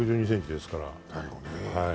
１６２ｃｍですから。